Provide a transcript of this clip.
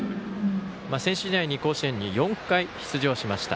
選手時代に甲子園に４回出場しました。